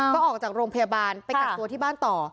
ก็ออกจากโรงพยาบาลไปกักตัวที่บ้านต่อ